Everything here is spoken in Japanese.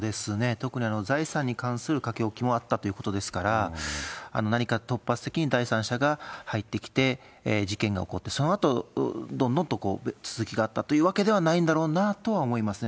特に財産に関する書き置きもあったということですから、何か突発的に第三者が入ってきて事件が起こって、そのあとどんどんとこう続きがあったというわけではないんだろうなとは思いますね。